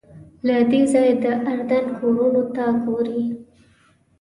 له دې ځایه د اردن کورونو ته ګورې.